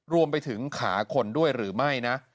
รวมไปถึงขาคนด้วยหรือไม่นะ